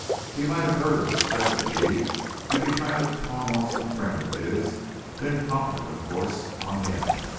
He might have heard of his present need and be trying to palm off some friend of his, an incompetent, of course, on him.